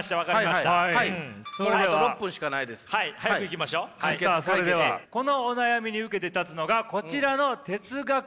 さあそれではこのお悩みに受けて立つのがこちらの哲学者軍団です。